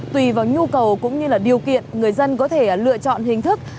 tùy vào nhu cầu cũng như điều kiện người dân có thể lựa chọn hình thức